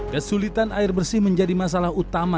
kesulitan air bersih menjadi masalah utama